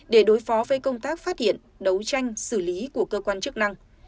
để đối phó với công tác phát hiện đấu tranh xử lý của cơ quan chức năng